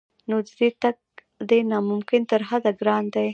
نو د دې تګ دی نا ممکن تر حده ګران دی